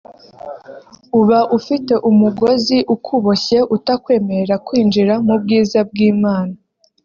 uba ufite umugozi ukuboshye utakwemerera kwinjira mu bwiza bw’Imana